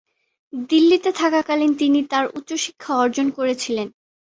দিল্লিতে থাকাকালীন তিনি তার উচ্চশিক্ষা অর্জন করেছিলেন।